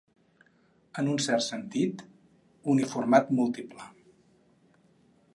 En un cert sentit, uniformat múltiple.